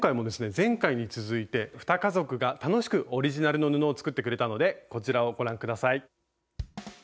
前回に続いて２家族が楽しくオリジナルの布を作ってくれたのでこちらをご覧下さい。